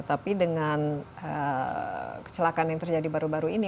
tapi dengan kecelakaan yang terjadi baru baru ini